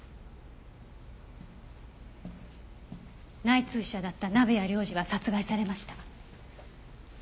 内通者だった鍋谷亮次は殺害されました。